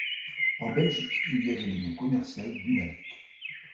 En Belgique il y avait le nom commercial d'Unalit.